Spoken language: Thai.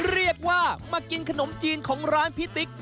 เรียกว่ามากินขนมจีนของร้านพี่ติ๊ก